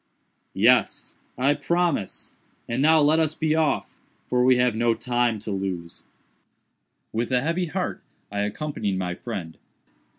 "Yes; I promise; and now let us be off, for we have no time to lose." With a heavy heart I accompanied my friend.